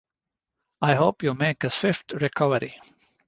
I hope you make a swift recovery.